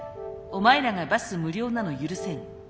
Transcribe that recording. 「お前らがバス無料なの許せん」。